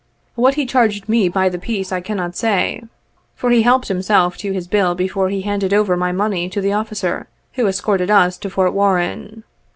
What he charged me by the piece, I cannot say, for he helped himself to his bill before he handed over my money to the officer who escorted us to Fort Warren.